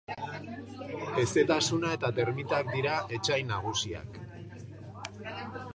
Hezetasuna eta termitak dira etsai nagusiak.